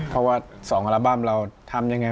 เพราะว่าสองอัลบั้มเราทำอย่างไร